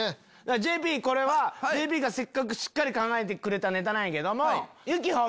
ＪＰこれはせっかくしっかり考えてくれたネタなんやけども。